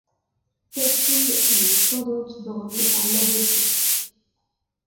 Taquine les pédants bornés à l'A B C